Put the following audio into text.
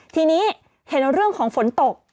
ทีนี้เห็นเรื่องของฝนตก